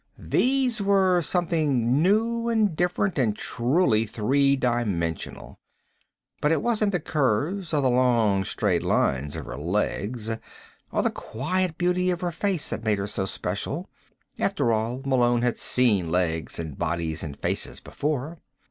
These were something new and different and truly three dimensional. But it wasn't the curves, or the long straight lines of her legs, or the quiet beauty of her face, that made her so special. After all, Malone had seen legs and bodies and faces before.